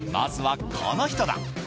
まずは、この人だ。